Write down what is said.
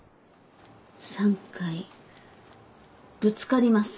３回ぶつかります。